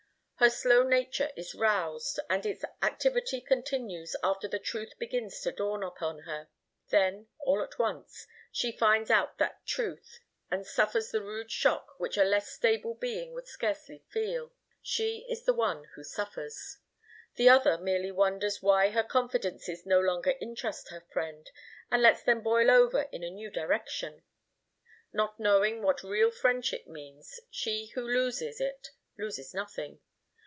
Her slow nature is roused, and its activity continues after the truth begins to dawn upon her. Then, all at once, she finds out that truth, and suffers the rude shock which a less stable being would scarcely feel. She is the one who suffers. The other merely wonders why her confidences no longer interest her friend, and lets them boil over in a new direction. Not knowing what real friendship means, she who loses it loses nothing.